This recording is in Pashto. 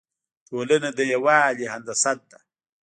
ټولنه د یووالي هندسه ده.